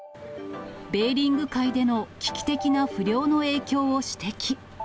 ベーリング海での危機的な不漁の影響を指摘。